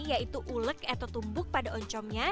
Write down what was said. yaitu ulek atau tumbuk pada oncomnya